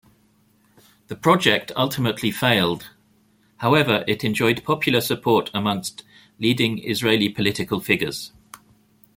The project ultimately failed, however it enjoyed popular support amongst leading Israeli political figures.